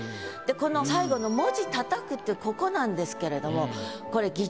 この最後の「文字叩く」ってここなんですけれどもこれ。